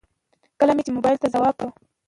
کله مې چې موبايل ته ځواب وکړ.